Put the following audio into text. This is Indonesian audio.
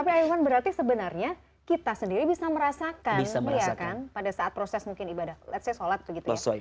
tapi ayat ayat berarti sebenarnya kita sendiri bisa merasakan pada saat proses mungkin ibadah let's say sholat gitu ya